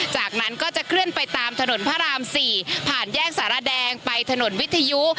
จากนั้นก็จะเคลื่อนไปตามถนนพระราม๔ผ่านแยกสารแดงไปถนนวิทยุ